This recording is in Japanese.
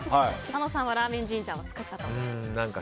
佐野さんはラーメン神社を作ったと。